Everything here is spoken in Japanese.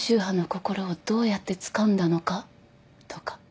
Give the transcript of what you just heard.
波の心をどうやってつかんだのかとか。